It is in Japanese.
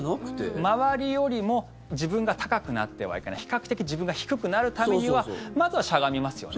まず周りよりも自分が高くなってはいけない比較的自分が低くなるためにはまずはしゃがみますよね。